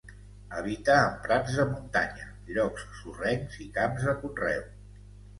Habita en prats de muntanya, llocs sorrencs i camps de conreu.